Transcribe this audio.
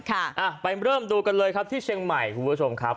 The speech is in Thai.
อ่ะไปเริ่มดูกันเลยที่เชียงใหม่ถ้าคุณผู้ชมครับ